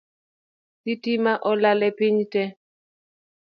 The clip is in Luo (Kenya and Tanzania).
Sitima olal e piny tee